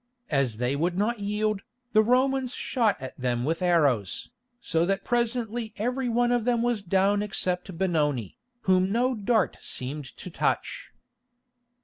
As they would not yield, the Romans shot at them with arrows, so that presently every one of them was down except Benoni, whom no dart seemed to touch.